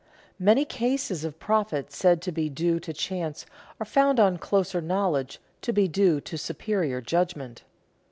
_ Many cases of profit said to be due to chance are found on closer knowledge to be due to superior judgment.